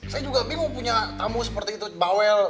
saya juga bingung punya tamu seperti itu bawel